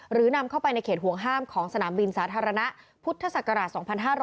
นำเข้าไปในเขตห่วงห้ามของสนามบินสาธารณะพุทธศักราช๒๕๕๙